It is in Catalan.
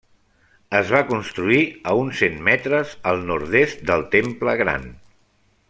Es va construir a uns cent metres al nord-est del temple gran.